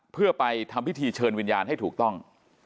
เพื่อไปทำพิธีเชิญวิญญาณให้ถูกต้อง